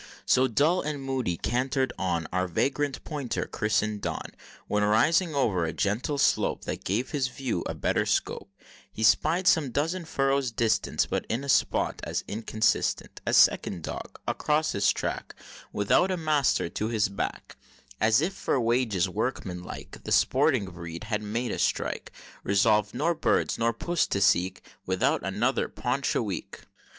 So, dull and moody, canter'd on Our vagrant pointer, christen'd Don; When, rising o'er a gentle slope, That gave his view a better scope, He spied, some dozen furrows distant, But in a spot as inconsistent, A second dog across his track, Without a master to his back; As if for wages, workman like, The sporting breed had made a strike, Resolv'd nor birds nor puss to seek, Without another paunch a week!